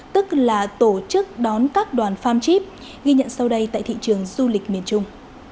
tức là tổ chức đón các đoàn farm chip ghi nhận sau đây tại thị trường du lịch miền trung